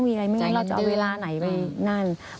มีอะไรไม่รอเจาะเวลาไหนบ้าง